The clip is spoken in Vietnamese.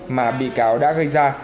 mà bị cáo đã gây ra